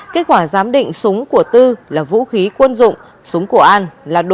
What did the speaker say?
kết quả giám định súng của tư là vũ khí quân dụng súng của an là đồ